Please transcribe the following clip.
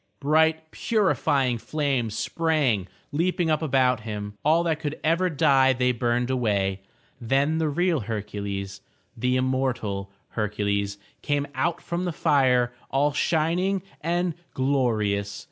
Bright purifying flames sprang leaping up about him. All that could ever die they burned away. Then the real Hercules, the immortal Hercules came out from the fire all shining and glorious.